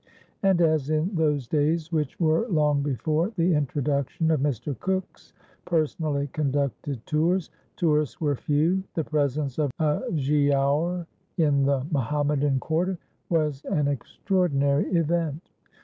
And as in those days, which were long before the introduction of Mr. Cook's "personally conducted tours," tourists were few, the presence of a "giaour" in the Mohammedan quarter was an extraordinary event.